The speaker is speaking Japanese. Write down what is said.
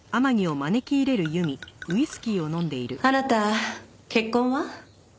あなた結婚は？